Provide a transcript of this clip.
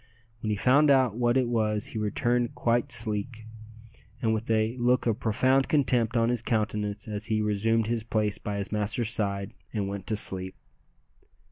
When he found out what it was he returned quite sleek, and with a look of profound contempt on his countenance as he resumed his place by his master's side and went to sleep.